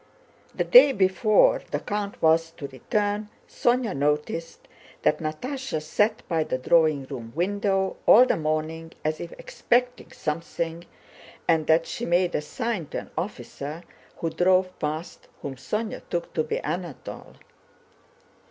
The day before the count was to return, Sónya noticed that Natásha sat by the drawing room window all the morning as if expecting something and that she made a sign to an officer who drove past, whom Sónya took to be Anatole.